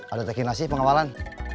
ada tekinasi pengawalan